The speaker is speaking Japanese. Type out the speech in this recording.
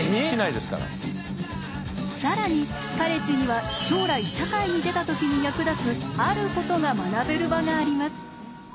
更にカレッジには将来社会に出た時に役立つあることが学べる場があります。